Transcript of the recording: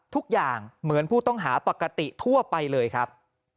ทุกอย่างเหมือนผู้ต้องหาปกติทั่วไปเลยครับ